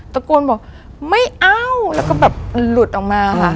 ตะโกนบอกไม่เอาแล้วก็แบบมันหลุดออกมาค่ะ